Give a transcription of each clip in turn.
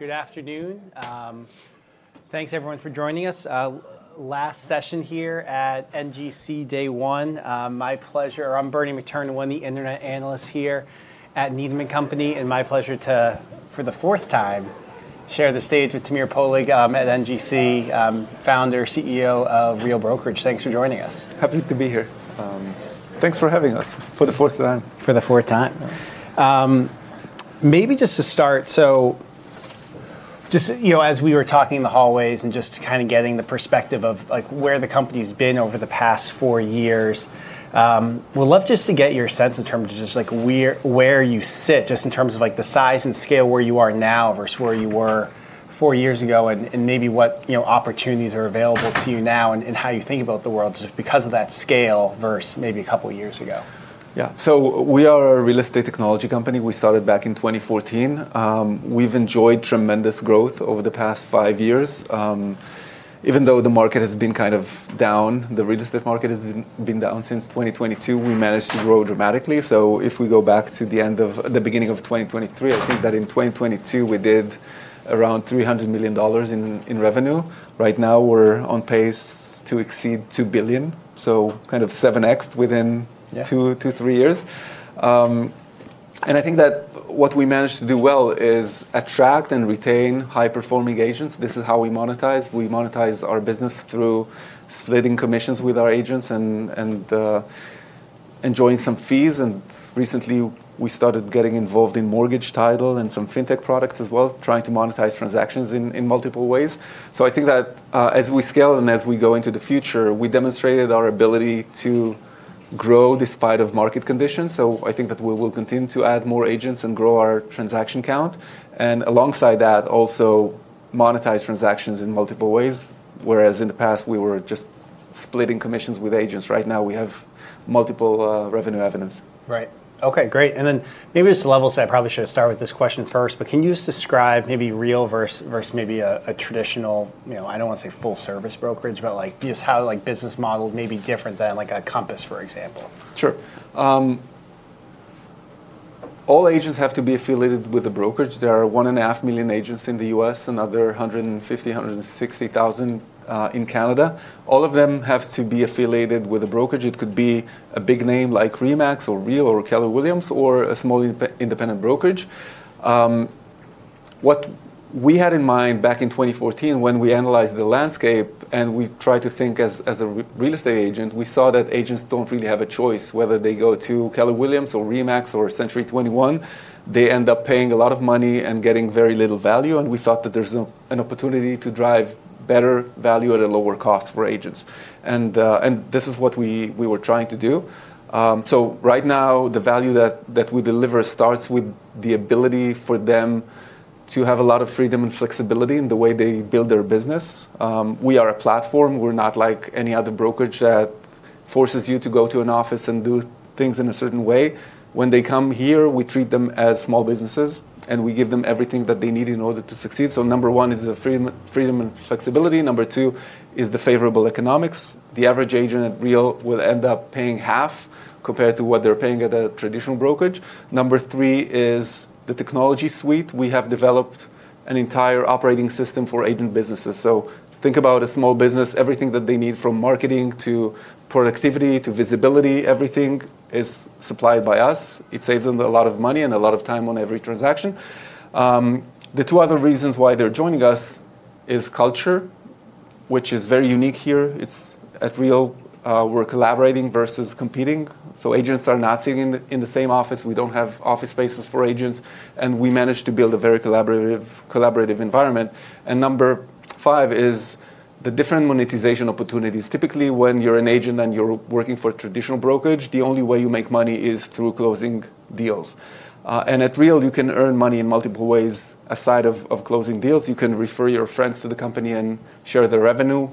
Good afternoon. Thanks, everyone, for joining us. Last session here at NGC, day one. My pleasure, I'm Bernie McTernan, one of the internet analysts here at Needham & Company, and my pleasure to, for the fourth time, share the stage with Tamir Poleg, at NGC, Founder and CEO of Real Brokerage. Thanks for joining us. Happy to be here. Thanks for having us for the fourth time. For the fourth time. Maybe just to start, so just as we were talking in the hallways and just kind of getting the perspective of where the company's been over the past four years, we'd love just to get your sense in terms of just where you sit, just in terms of the size and scale where you are now versus where you were four years ago, and maybe what opportunities are available to you now and how you think about the world just because of that scale versus maybe a couple of years ago. Yeah. So we are a real estate technology company. We started back in 2014. We've enjoyed tremendous growth over the past five years. Even though the market has been kind of down, the real estate market has been down since 2022, we managed to grow dramatically. So if we go back to the beginning of 2023, I think that in 2022, we did around $300 million in revenue. Right now, we're on pace to exceed $2 billion, so kind of 7x within two, three years. And I think that what we managed to do well is attract and retain high-performing agents. This is how we monetize. We monetize our business through splitting commissions with our agents and enjoying some fees. And recently, we started getting involved in mortgage title and some fintech products as well, trying to monetize transactions in multiple ways. So I think that as we scale and as we go into the future, we demonstrated our ability to grow despite market conditions. So I think that we will continue to add more agents and grow our transaction count. And alongside that, also monetize transactions in multiple ways, whereas in the past, we were just splitting commissions with agents. Right now, we have multiple revenue avenues. Right. OK, great. And then maybe just to level set, I probably should have started with this question first, but can you just describe maybe Real versus maybe a traditional, I don't want to say full-service brokerage, but just how business model may be different than like a Compass, for example? Sure. All agents have to be affiliated with a brokerage. There are 1.5 million agents in the U.S. and other 150,000-160,000 in Canada. All of them have to be affiliated with a brokerage. It could be a big name like RE/MAX or Real or Keller Williams or a small independent brokerage. What we had in mind back in 2014 when we analyzed the landscape and we tried to think as a real estate agent, we saw that agents don't really have a choice. Whether they go to Keller Williams or RE/MAX or Century 21, they end up paying a lot of money and getting very little value. And we thought that there's an opportunity to drive better value at a lower cost for agents. And this is what we were trying to do. So right now, the value that we deliver starts with the ability for them to have a lot of freedom and flexibility in the way they build their business. We are a platform. We're not like any other brokerage that forces you to go to an office and do things in a certain way. When they come here, we treat them as small businesses, and we give them everything that they need in order to succeed. So number one is the freedom and flexibility. Number two is the favorable economics. The average agent at Real will end up paying half compared to what they're paying at a traditional brokerage. Number three is the technology suite. We have developed an entire operating system for agent businesses. So think about a small business. Everything that they need from marketing to productivity to visibility, everything is supplied by us. It saves them a lot of money and a lot of time on every transaction. The two other reasons why they're joining us is culture, which is very unique here. At Real, we're collaborating versus competing, so agents are not sitting in the same office. We don't have office spaces for agents, and we managed to build a very collaborative environment, and number five is the different monetization opportunities. Typically, when you're an agent and you're working for a traditional brokerage, the only way you make money is through closing deals, and at Real, you can earn money in multiple ways aside of closing deals. You can refer your friends to the company and share the revenue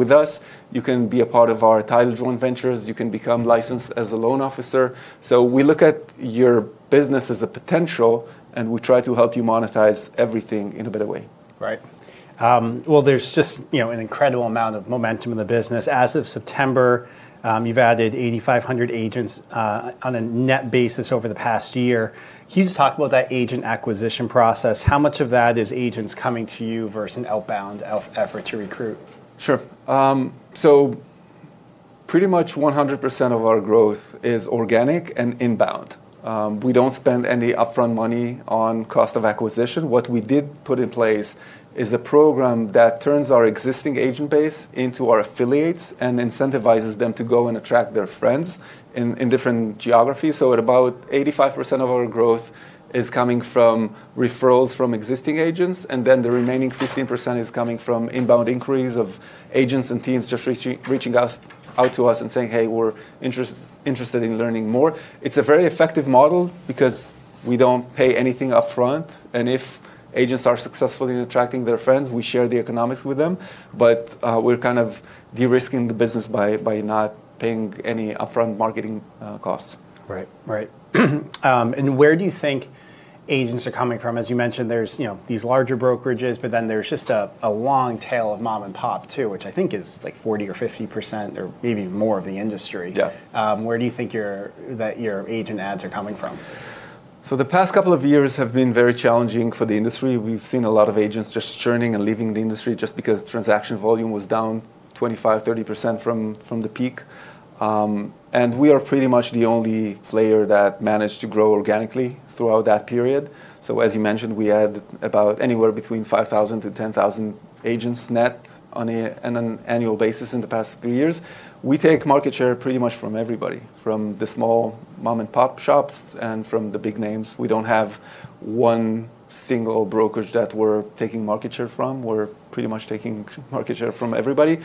with us. You can be a part of our title joint ventures. You can become licensed as a loan officer. So we look at your business as a potential, and we try to help you monetize everything in a better way. Right. There's just an incredible amount of momentum in the business. As of September, you've added 8,500 agents on a net basis over the past year. Can you just talk about that agent acquisition process? How much of that is agents coming to you versus an outbound effort to recruit? Sure, so pretty much 100% of our growth is organic and inbound. We don't spend any upfront money on cost of acquisition. What we did put in place is a program that turns our existing agent base into our affiliates and incentivizes them to go and attract their friends in different geographies, so about 85% of our growth is coming from referrals from existing agents, and then the remaining 15% is coming from inbound inquiries of agents and teams just reaching out to us and saying, hey, we're interested in learning more. It's a very effective model because we don't pay anything upfront, and if agents are successful in attracting their friends, we share the economics with them, but we're kind of de-risking the business by not paying any upfront marketing costs. Right, right. And where do you think agents are coming from? As you mentioned, there's these larger brokerages, but then there's just a long tail of mom and pop, too, which I think is like 40% or 50% or maybe more of the industry. Where do you think your agent adds are coming from? So the past couple of years have been very challenging for the industry. We've seen a lot of agents just churning and leaving the industry just because transaction volume was down 25%, 30% from the peak. And we are pretty much the only player that managed to grow organically throughout that period. So as you mentioned, we had about anywhere between 5,000 to 10,000 agents net on an annual basis in the past three years. We take market share pretty much from everybody, from the small mom and pop shops and from the big names. We don't have one single brokerage that we're taking market share from. We're pretty much taking market share from everybody.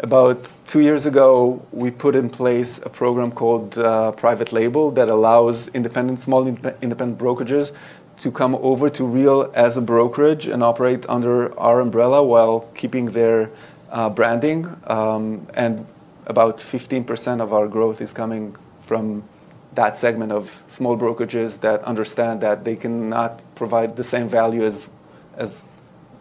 About two years ago, we put in place a program called Private Label that allows independent small brokerages to come over to Real as a brokerage and operate under our umbrella while keeping their branding. And about 15% of our growth is coming from that segment of small brokerages that understand that they cannot provide the same value as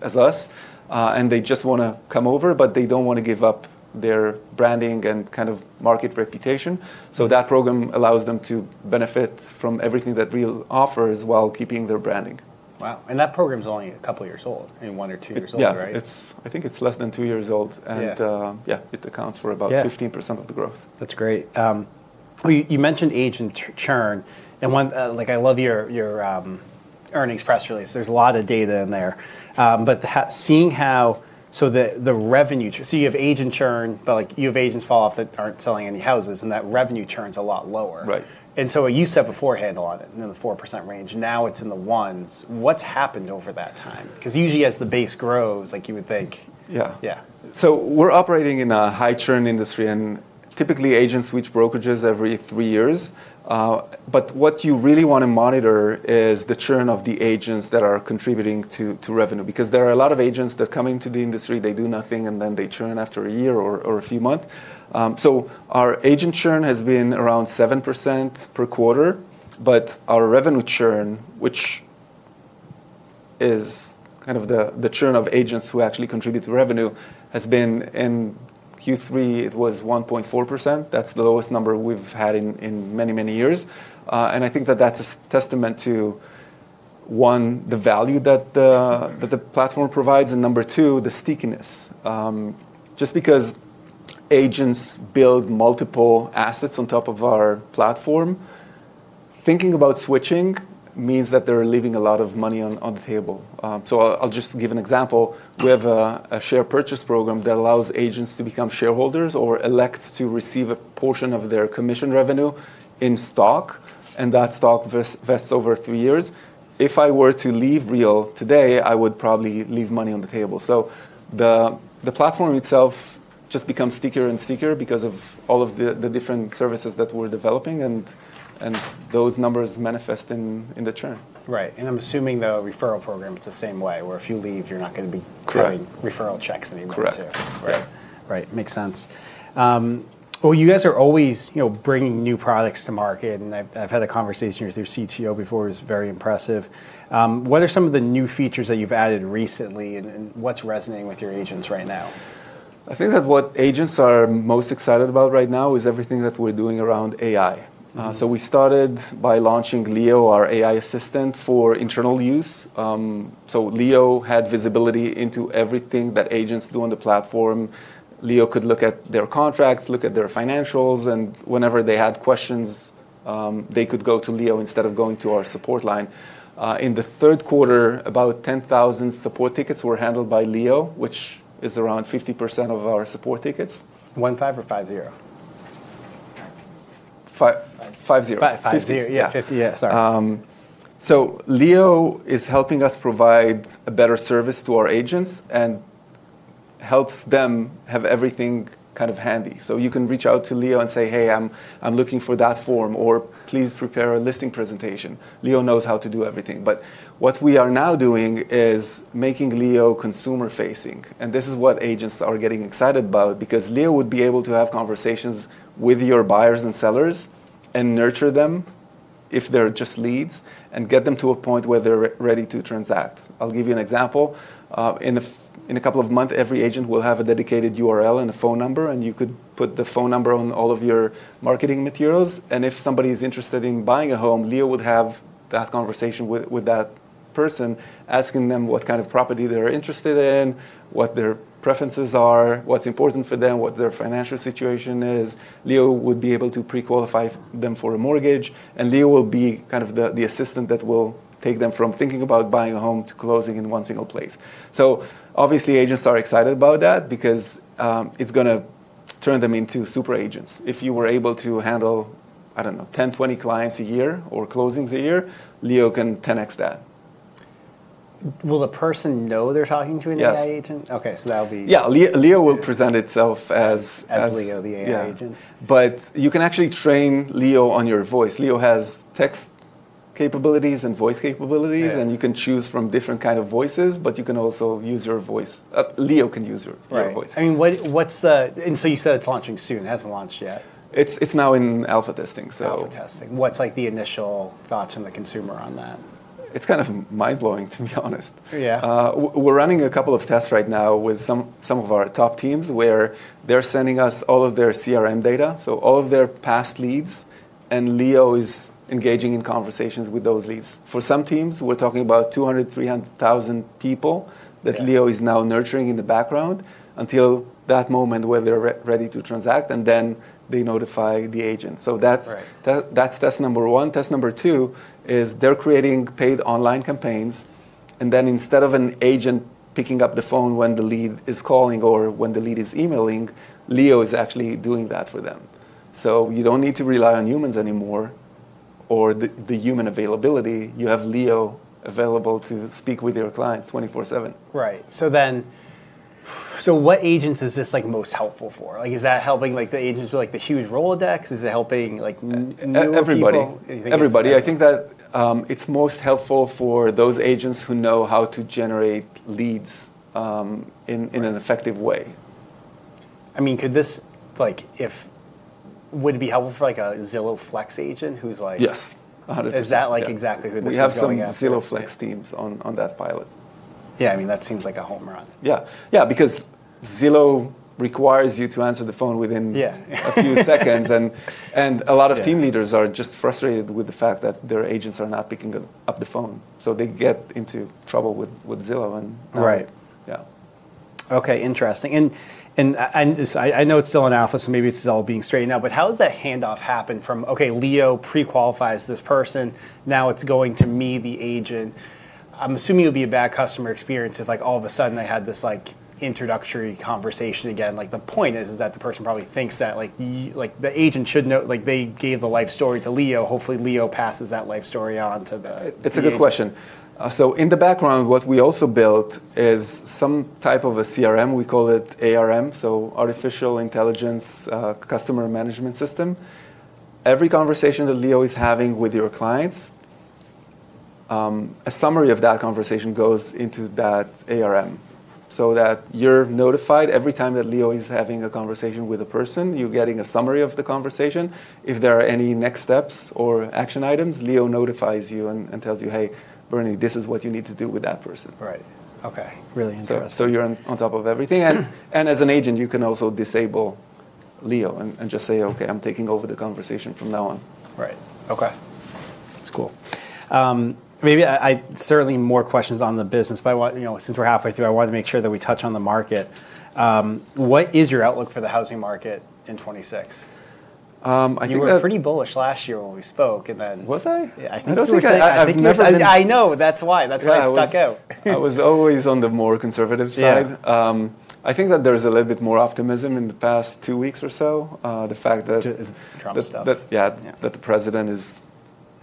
us, and they just want to come over, but they don't want to give up their branding and kind of market reputation. So that program allows them to benefit from everything that Real offers while keeping their branding. Wow. And that program's only a couple of years old, maybe one or two years old, right? Yeah. I think it's less than two years old, and yeah, it accounts for about 15% of the growth. That's great. You mentioned agent churn. And I love your earnings press release. There's a lot of data in there. But seeing how so the revenue so you have agent churn, but you have agents fall off that aren't selling any houses, and that revenue churn's a lot lower. And so you said beforehand a lot of it in the 4% range. Now it's in the 1s. What's happened over that time? Because usually, as the base grows, like you would think. Yeah, so we're operating in a high churn industry, and typically, agents switch brokerages every three years, but what you really want to monitor is the churn of the agents that are contributing to revenue. Because there are a lot of agents that come into the industry, they do nothing, and then they churn after a year or a few months, so our agent churn has been around 7% per quarter, but our revenue churn, which is kind of the churn of agents who actually contribute to revenue, has been in Q3, it was 1.4%. That's the lowest number we've had in many, many years, and I think that that's a testament to, one, the value that the platform provides, and number two, the stickiness. Just because agents build multiple assets on top of our platform, thinking about switching means that they're leaving a lot of money on the table. So I'll just give an example. We have a share purchase program that allows agents to become shareholders or elects to receive a portion of their commission revenue in stock, and that stock vests over three years. If I were to leave Real today, I would probably leave money on the table. So the platform itself just becomes stickier and stickier because of all of the different services that we're developing, and those numbers manifest in the churn. Right. And I'm assuming the referral program is the same way, where if you leave, you're not going to be getting referral checks anymore, too. Correct. Right. Makes sense. Well, you guys are always bringing new products to market. And I've had a conversation with your CTO before. He was very impressive. What are some of the new features that you've added recently, and what's resonating with your agents right now? I think that what agents are most excited about right now is everything that we're doing around AI. So we started by launching Leo, our AI assistant, for internal use. So Leo had visibility into everything that agents do on the platform. Leo could look at their contracts, look at their financials. And whenever they had questions, they could go to Leo instead of going to our support line. In the third quarter, about 10,000 support tickets were handled by Leo, which is around 50% of our support tickets. 1, 5, or 5-0? 5-0. 5-0, yeah. Sorry. So Leo is helping us provide a better service to our agents and helps them have everything kind of handy. So you can reach out to Leo and say, hey, I'm looking for that form, or please prepare a listing presentation. Leo knows how to do everything. But what we are now doing is making Leo consumer-facing. And this is what agents are getting excited about, because Leo would be able to have conversations with your buyers and sellers and nurture them if they're just leads and get them to a point where they're ready to transact. I'll give you an example. In a couple of months, every agent will have a dedicated URL and a phone number, and you could put the phone number on all of your marketing materials. And if somebody is interested in buying a home, Leo would have that conversation with that person, asking them what kind of property they're interested in, what their preferences are, what's important for them, what their financial situation is. Leo would be able to pre-qualify them for a mortgage. And Leo will be kind of the assistant that will take them from thinking about buying a home to closing in one single place. So obviously, agents are excited about that because it's going to turn them into super agents. If you were able to handle, I don't know, 10, 20 clients a year or closings a year, Leo can 10x that. Will the person know they're talking to an AI agent? Yeah. OK, so that'll be. Yeah. Leo will present itself as. As Leo, the AI agent. Yeah. But you can actually train Leo on your voice. Leo has text capabilities and voice capabilities, and you can choose from different kinds of voices. But you can also use your voice. Leo can use your voice. Right. I mean, what's the and so you said it's launching soon. It hasn't launched yet. It's now in alpha testing, so. Alpha testing. What's like the initial thoughts from the consumer on that? It's kind of mind-blowing, to be honest. Yeah. We're running a couple of tests right now with some of our top teams, where they're sending us all of their CRM data, so all of their past leads, and Leo is engaging in conversations with those leads. For some teams, we're talking about 200,000, 300,000 people that Leo is now nurturing in the background until that moment where they're ready to transact, and then they notify the agent. So that's test number one. Test number two is they're creating paid online campaigns, and then instead of an agent picking up the phone when the lead is calling or when the lead is emailing, Leo is actually doing that for them. So you don't need to rely on humans anymore or the human availability. You have Leo available to speak with your clients 24/7. Right. So what agents is this most helpful for? Is that helping the agents with the huge Rolodex? Is it helping new people? Everybody. Everybody. I think that it's most helpful for those agents who know how to generate leads in an effective way. I mean, would it be helpful for a Zillow Flex agent who's like. Yes. 100%. Is that exactly who this is going to be? We have some Zillow Flex teams on that pilot. Yeah. I mean, that seems like a home run. Yeah. Yeah, because Zillow requires you to answer the phone within a few seconds. And a lot of team leaders are just frustrated with the fact that their agents are not picking up the phone. So they get into trouble with Zillow. And yeah. Okay, interesting. And I know it's still in alpha, so maybe it's all being straightened out. But how does that handoff happen from, okay, Leo pre-qualifies this person. Now it's going to me, the agent. I'm assuming it would be a bad customer experience if all of a sudden they had this introductory conversation again. The point is that the person probably thinks that the agent should know they gave the life story to Leo. Hopefully, Leo passes that life story on to the. That's a good question. So in the background, what we also built is some type of a CRM. We call it ARM, so Artificial Intelligence Customer Management System. Every conversation that Leo is having with your clients, a summary of that conversation goes into that ARM so that you're notified every time that Leo is having a conversation with a person. You're getting a summary of the conversation. If there are any next steps or action items, Leo notifies you and tells you, hey, Bernie, this is what you need to do with that person. Right. OK, really interesting. So you're on top of everything. And as an agent, you can also disable Leo and just say, OK, I'm taking over the conversation from now on. Right. OK. That's cool. Maybe I certainly have more questions on the business. But since we're halfway through, I wanted to make sure that we touch on the market. What is your outlook for the housing market in 2026? I think. You were pretty bullish last year when we spoke, and then. Was I? Yeah. I think I was. I was always. I know. That's why. That's why I stuck out. I was always on the more conservative side. I think that there's a little bit more optimism in the past two weeks or so. The fact that. Trump stuff. Yeah, that the president is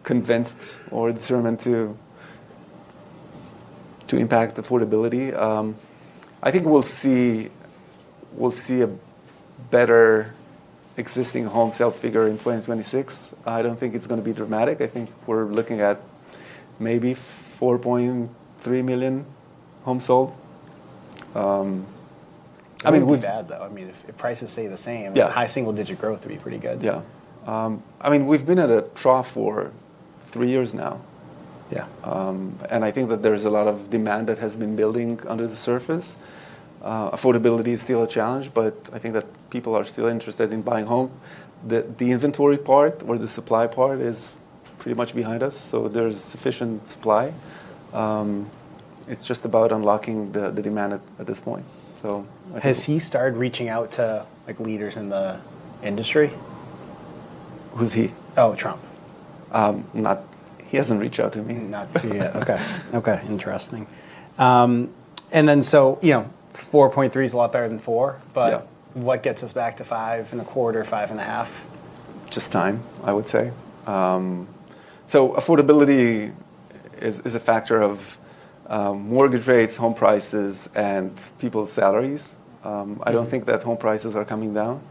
convinced or determined to impact affordability. I think we'll see a better existing home sale figure in 2026. I don't think it's going to be dramatic. I think we're looking at maybe 4.3 million homes sold. I mean. That would be bad, though. I mean, if prices stay the same, a high single-digit growth would be pretty good. Yeah. I mean, we've been at a trough for three years now. Yeah. And I think that there's a lot of demand that has been building under the surface. Affordability is still a challenge, but I think that people are still interested in buying home. The inventory part or the supply part is pretty much behind us, so there's sufficient supply. It's just about unlocking the demand at this point. So I think. Has he started reaching out to leaders in the industry? Who's he? Oh, Trump. He hasn't reached out to me. Not to you. OK. OK, interesting. And then so 4.3 is a lot better than 4. But what gets us back to 5.25, 5.5? Just time, I would say. So affordability is a factor of mortgage rates, home prices, and people's salaries. I don't think that home prices are coming down.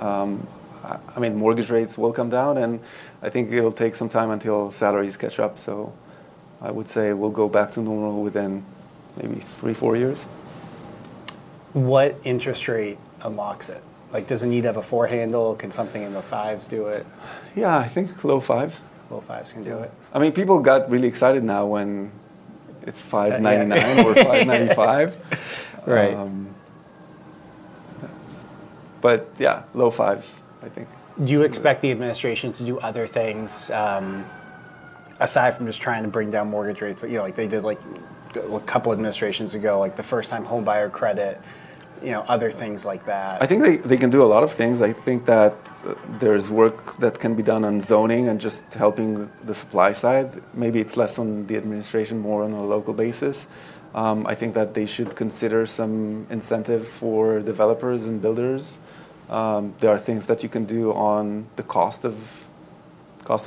I mean, mortgage rates will come down, and I think it'll take some time until salaries catch up. So I would say we'll go back to normal within maybe three, four years. What interest rate unlocks it? Does it need to have a four handle? Can something in the fives do it? Yeah, I think low fives. Low fives can do it. I mean, people got really excited now when it's $599 or $595. Right. But yeah, low fives, I think. Do you expect the administration to do other things aside from just trying to bring down mortgage rates? But they did a couple of administrations ago, like the first-time home buyer credit, other things like that. I think they can do a lot of things. I think that there's work that can be done on zoning and just helping the supply side. Maybe it's less on the administration, more on a local basis. I think that they should consider some incentives for developers and builders. There are things that you can do on the cost of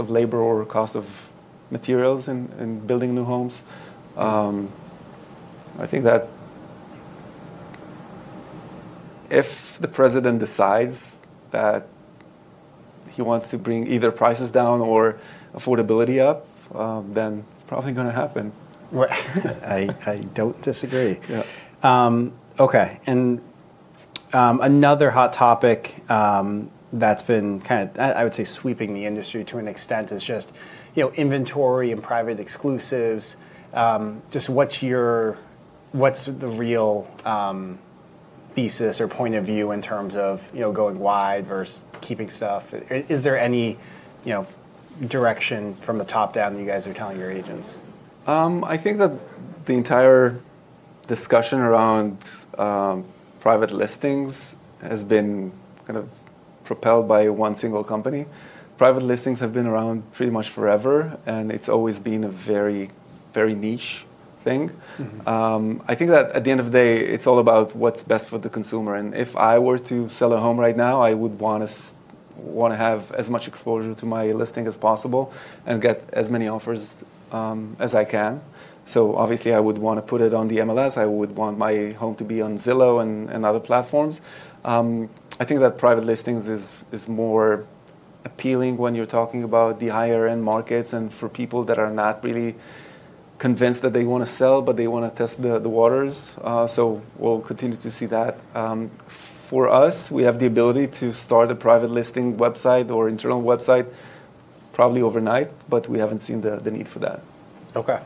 labor or cost of materials in building new homes. I think that if the president decides that he wants to bring either prices down or affordability up, then it's probably going to happen. Right. I don't disagree. OK. And another hot topic that's been kind of, I would say, sweeping the industry to an extent is just inventory and private exclusives. Just what's the real thesis or point of view in terms of going wide versus keeping stuff? Is there any direction from the top down that you guys are telling your agents? I think that the entire discussion around private listings has been kind of propelled by one single company. Private listings have been around pretty much forever, and it's always been a very, very niche thing. I think that at the end of the day, it's all about what's best for the consumer. And if I were to sell a home right now, I would want to have as much exposure to my listing as possible and get as many offers as I can. So obviously, I would want to put it on the MLS. I would want my home to be on Zillow and other platforms. I think that private listings is more appealing when you're talking about the higher-end markets and for people that are not really convinced that they want to sell, but they want to test the waters. So we'll continue to see that. For us, we have the ability to start a private listing website or internal website probably overnight, but we haven't seen the need for that. OK.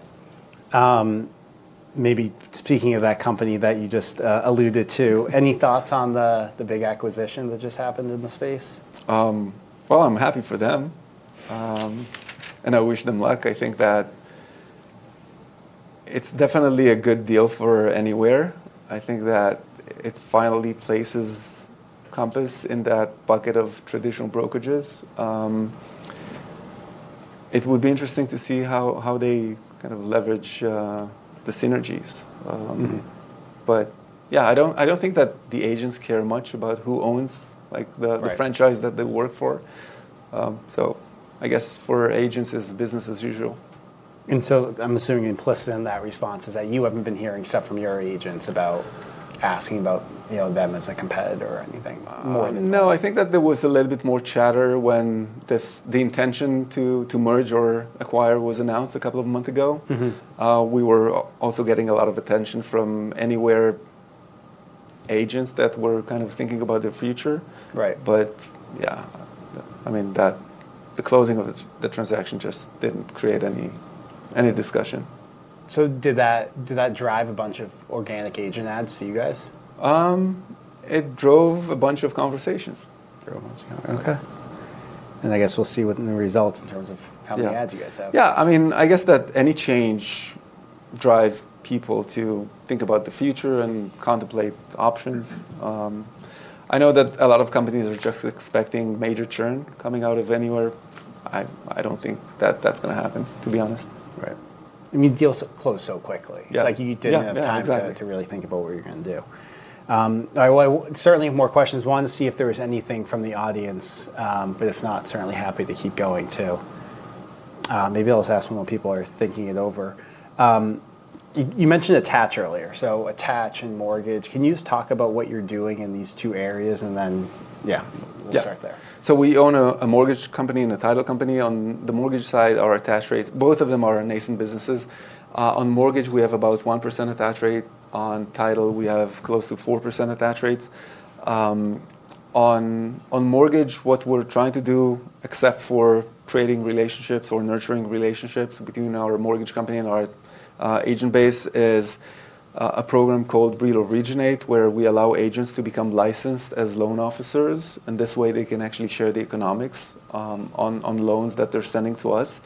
Maybe speaking of that company that you just alluded to, any thoughts on the big acquisition that just happened in the space? I'm happy for them, and I wish them luck. I think that it's definitely a good deal for Anywhere. I think that it finally places Compass in that bucket of traditional brokerages. It would be interesting to see how they kind of leverage the synergies. But yeah, I don't think that the agents care much about who owns the franchise that they work for. So I guess for agents, it's business as usual. And so I'm assuming implicit in that response is that you haven't been hearing stuff from your agents about asking about them as a competitor or anything more than that. No. I think that there was a little bit more chatter when the intention to merge or acquire was announced a couple of months ago. We were also getting a lot of attention from Anywhere agents that were kind of thinking about the future. Right. But yeah, I mean, the closing of the transaction just didn't create any discussion. So did that drive a bunch of organic agent adds to you guys? It drove a bunch of conversations. Drove a bunch of conversations. OK. And I guess we'll see what the results in terms of how many ads you guys have. Yeah. I mean, I guess that any change drives people to think about the future and contemplate options. I know that a lot of companies are just expecting major churn coming out of Anywhere. I don't think that that's going to happen, to be honest. Right. I mean, deals close so quickly. It's like you didn't have time to really think about what you're going to do. I certainly have more questions. I wanted to see if there was anything from the audience. But if not, certainly happy to keep going too. Maybe I'll just ask when people are thinking it over. You mentioned attach earlier. So attach and mortgage. Can you just talk about what you're doing in these two areas? And then yeah, we'll start there. Yeah. So we own a mortgage company and a title company on the mortgage side or attach rates. Both of them are nascent businesses. On mortgage, we have about 1% attach rate. On title, we have close to 4% attach rates. On mortgage, what we're trying to do, except for creating relationships or nurturing relationships between our mortgage company and our agent base, is a program called Real Originate, where we allow agents to become licensed as loan officers. And this way, they can actually share the economics on loans that they're sending to us.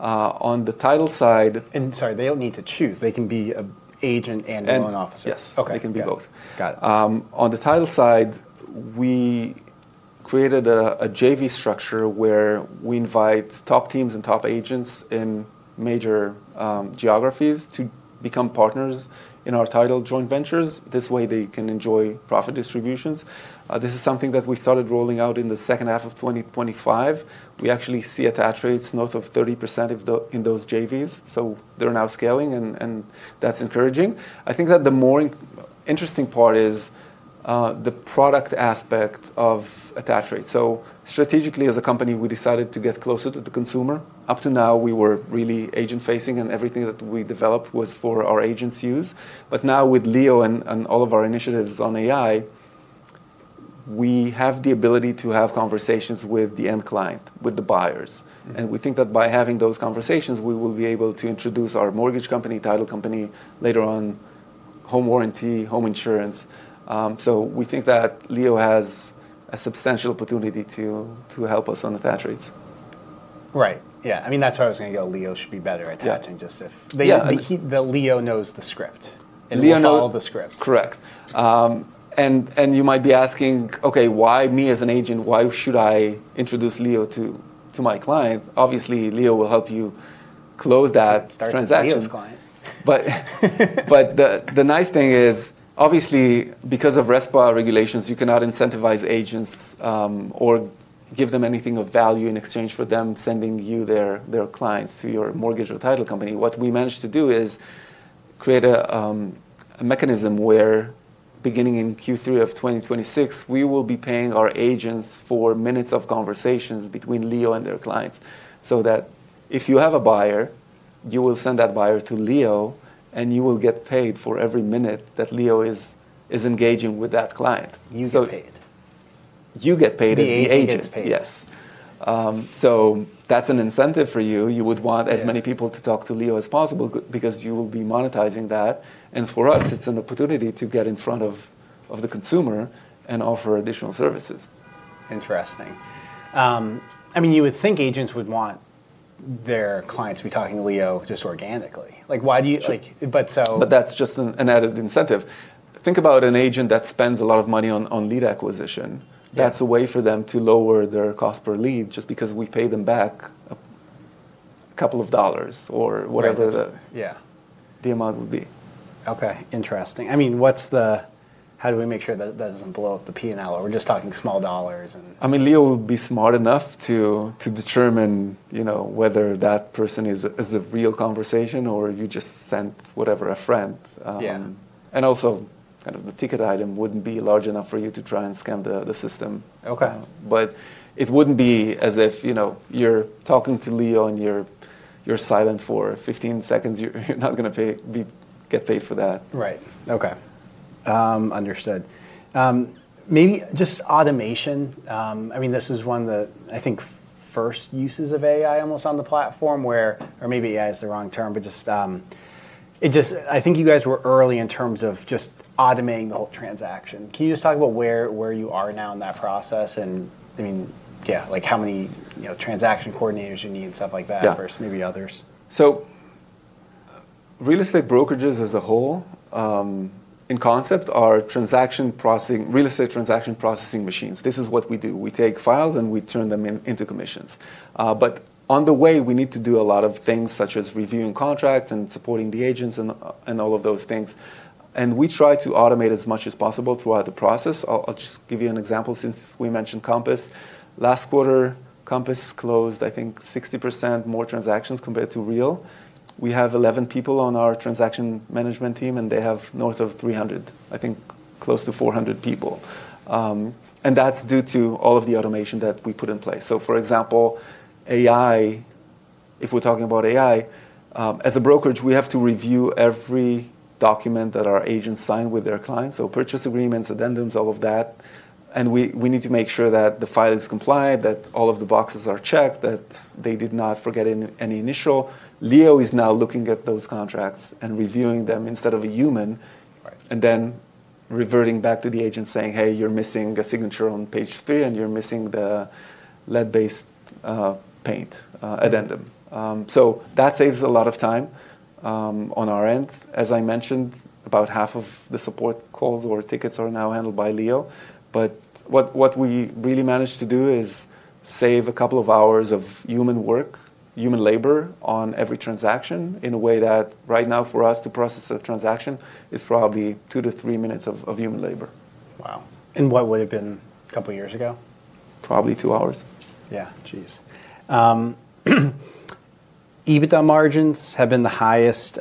On the title side. And sorry, they don't need to choose. They can be an agent and a loan officer. Yes. OK. They can be both. Got it. On the title side, we created a JV structure where we invite top teams and top agents in major geographies to become partners in our title joint ventures. This way, they can enjoy profit distributions. This is something that we started rolling out in the second half of 2025. We actually see attach rates north of 30% in those JVs. So they're now scaling, and that's encouraging. I think that the more interesting part is the product aspect of attach rates. So strategically, as a company, we decided to get closer to the consumer. Up to now, we were really agent-facing, and everything that we developed was for our agents' use. But now with Leo and all of our initiatives on AI, we have the ability to have conversations with the end client, with the buyers. And we think that by having those conversations, we will be able to introduce our mortgage company, title company later on, home warranty, home insurance. So we think that Leo has a substantial opportunity to help us on attach rates. Right. Yeah. I mean, that's why I was going to go, Leo should be better at attaching just if. Yeah. The Leo knows the script. Leo knows. Knows all the scripts. Correct. And you might be asking, OK, why me as an agent? Why should I introduce Leo to my client? Obviously, Leo will help you close that transaction. Start as a Leo's client. But the nice thing is, obviously, because of RESPA regulations, you cannot incentivize agents or give them anything of value in exchange for them sending you their clients to your mortgage or title company. What we managed to do is create a mechanism where, beginning in Q3 of 2026, we will be paying our agents for minutes of conversations between Leo and their clients so that if you have a buyer, you will send that buyer to Leo, and you will get paid for every minute that Leo is engaging with that client. You get paid. You get paid as the agent. As the agent is paid. Yes. So that's an incentive for you. You would want as many people to talk to Leo as possible because you will be monetizing that. And for us, it's an opportunity to get in front of the consumer and offer additional services. Interesting. I mean, you would think agents would want their clients to be talking to Leo just organically. Like, why do you? But that's just an added incentive. Think about an agent that spends a lot of money on lead acquisition. That's a way for them to lower their cost per lead just because we pay them back a couple of dollars or whatever the amount would be. OK. Interesting. I mean, how do we make sure that doesn't blow up the P&L? We're just talking small dollars and. I mean, Leo will be smart enough to determine whether that person is a real conversation or you just sent whatever, a friend. Yeah. And also, kind of the ticket item wouldn't be large enough for you to try and scan the system. OK. But it wouldn't be as if you're talking to Leo and you're silent for 15 seconds. You're not going to get paid for that. Right. OK. Understood. Maybe just automation. I mean, this is one of the, I think, first uses of AI almost on the platform, where or maybe AI is the wrong term, but just I think you guys were early in terms of just automating the whole transaction. Can you just talk about where you are now in that process, and I mean, yeah, like how many transaction coordinators you need and stuff like that versus maybe others. So real estate brokerages as a whole, in concept, are real estate transaction processing machines. This is what we do. We take files and we turn them into commissions. But on the way, we need to do a lot of things such as reviewing contracts and supporting the agents and all of those things. And we try to automate as much as possible throughout the process. I'll just give you an example since we mentioned Compass. Last quarter, Compass closed, I think, 60% more transactions compared to Real. We have 11 people on our transaction management team, and they have north of 300, I think, close to 400 people. And that's due to all of the automation that we put in place. So for example, if we're talking about AI, as a brokerage, we have to review every document that our agents sign with their clients, so purchase agreements, addendums, all of that. And we need to make sure that the file is compliant, that all of the boxes are checked, that they did not forget any initial. Leo is now looking at those contracts and reviewing them instead of a human and then reverting back to the agent saying, hey, you're missing a signature on page three, and you're missing the lead-based paint addendum. So that saves a lot of time on our end. As I mentioned, about half of the support calls or tickets are now handled by Leo. But what we really managed to do is save a couple of hours of human work, human labor on every transaction in a way that right now, for us to process a transaction, it's probably two to three minutes of human labor. Wow, and what would have been a couple of years ago? Probably two hours. Yeah. Jeez. EBITDA margins have been the highest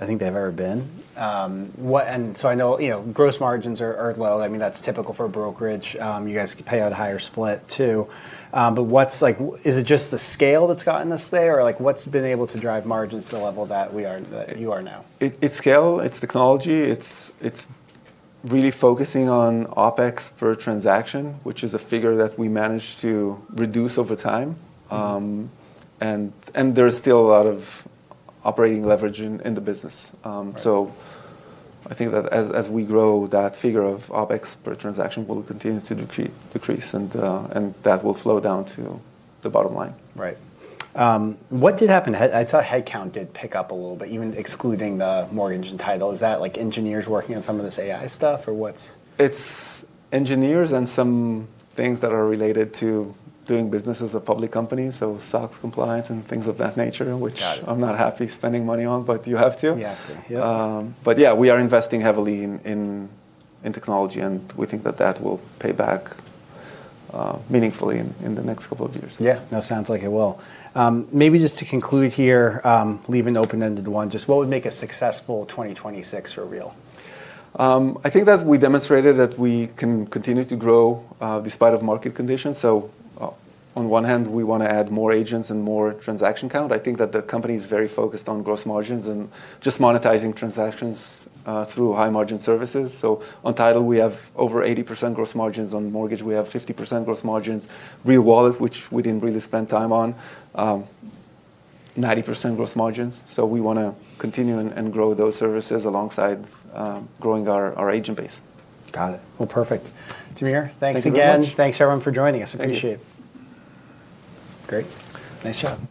I think they've ever been. And so I know gross margins are low. I mean, that's typical for a brokerage. You guys pay out a higher split, too. But is it just the scale that's gotten us there? Or what's been able to drive margins to the level that you are now? It's scale. It's technology. It's really focusing on OpEx per transaction, which is a figure that we managed to reduce over time. And there's still a lot of operating leverage in the business. So I think that as we grow, that figure of OpEx per transaction will continue to decrease, and that will slow down to the bottom line. Right. What did happen? I saw headcount did pick up a little bit, even excluding the mortgage and title. Is that like engineers working on some of this AI stuff? Or what's? It's engineers and some things that are related to doing business as a public company, so SOX compliance and things of that nature, which I'm not happy spending money on, but you have to. You have to. But yeah, we are investing heavily in technology, and we think that that will pay back meaningfully in the next couple of years. Yeah. That sounds like it will. Maybe just to conclude here, leave an open-ended one. Just what would make a successful 2026 for Real? I think that we demonstrated that we can continue to grow despite market conditions, so on one hand, we want to add more agents and more transaction count. I think that the company is very focused on gross margins and just monetizing transactions through high-margin services, so on title, we have over 80% gross margins. On mortgage, we have 50% gross margins. Real Wallet, which we didn't really spend time on, 90% gross margins, so we want to continue and grow those services alongside growing our agent base. Got it. Well, perfect. Tamir, thanks again. Thanks again. Thanks everyone for joining us. Appreciate it. Thank you. Great. Nice job.